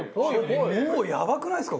もうやばくないっすか？